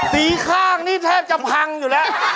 สีข้างนี่แทบจะพังอยู่แล้ว